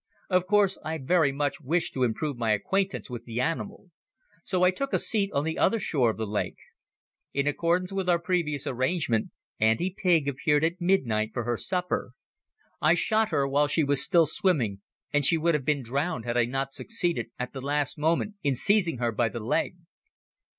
Of course I very much wished to improve my acquaintance with the animal. So I took a seat on the other shore of the lake. In accordance with our previous arrangement, Auntie Pig appeared at midnight for her supper. I shot her while she was still swimming and she would have been drowned had I not succeeded at the last moment in seizing her by the leg.